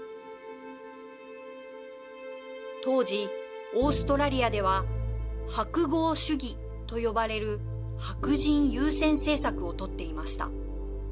当時、オーストラリアでは「白豪主義」と呼ばれる白人優先政策をとっていました。